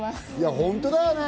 本当だよね。